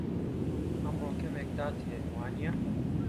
ئەمڕۆ کەمێک تات هەیە، وانییە؟